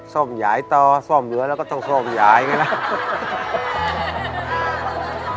ซ่อมหยายต่อซ่อมเหลือแล้วก็ต้องซ่อมหยายอย่างนี้ล่ะ